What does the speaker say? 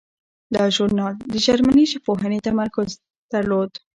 دا ژورنال د جرمني ژبپوهنې تمرکز درلود.